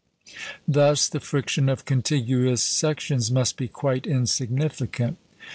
Thus the friction of contiguous sections must be quite insignificant.